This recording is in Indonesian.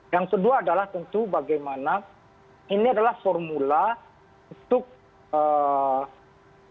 yang kedua adalah tentu bagaimana ini adalah formula untuk